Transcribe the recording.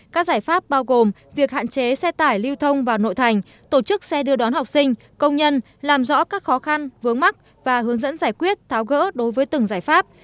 các giải pháp bao gồm việc hạn chế xe tải lưu thông vào nội thành tổ chức xe đưa đón học sinh công nhân làm rõ các khó khăn vướng mắt và hướng dẫn giải quyết tháo gỡ đối với từng giải pháp